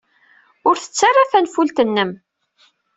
Ur ttettu ara tanfult-nnem!